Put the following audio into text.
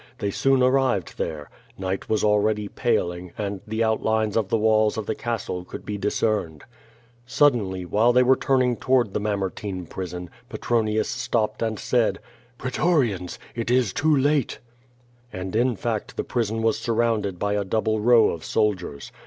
They soon arrived there. Night was already paling, and the outlines of the walls of the castle could be discerned. Suddenly, while they were turning toward the Mamertine prison, Petronius stopped and said: "Pretorians! It is too late!" And in fact the prison was surrounded by a double row of soldiers.